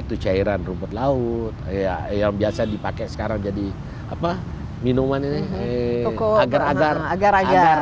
itu cairan rumput laut yang biasa dipakai sekarang jadi apa minuman ini agar agar agar